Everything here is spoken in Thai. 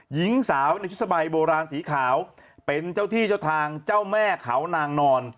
หญิงสาวในชุดสบายโบราณสีขาวเป็นเจ้าที่เจ้าทางเจ้าแม่เขานางนอน